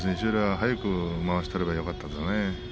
早くまわしを取ればよかったですね。